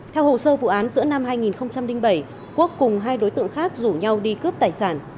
theo hồ sơ vụ án giữa năm hai nghìn bảy quốc cùng hai đối tượng khác rủ nhau đi cướp tài sản